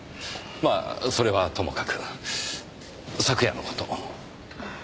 まあそれはともかく昨夜の事を。